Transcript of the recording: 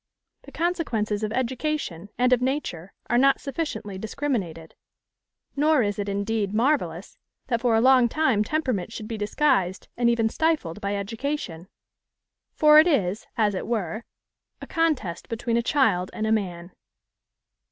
The consequences of education and of nature are not sufficiently discriminated. Nor is it, indeed, marvellous, that for a long time temperament should be disguised and even stifled by education; for it is, as it were, a contest between a child and a man.